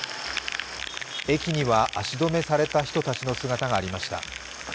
駅には足止めされた人たちの姿がありました。